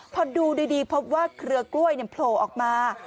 พอดูดีพบว่าเครือกล้วยโผล่ออกมา